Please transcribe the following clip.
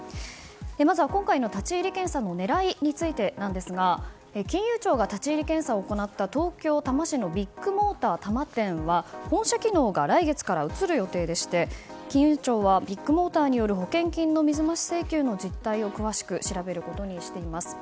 まずは今回の立ち入り検査の狙いについてなんですが金融庁が立ち入り検査を行った東京・多摩市のビッグモーター多摩店は本社機能が来月から移る予定でして金融庁は、ビッグモーターによる保険金の水増し請求の実態を詳しく調べることにしています。